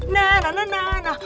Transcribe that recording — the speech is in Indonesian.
nah nah nah nah nah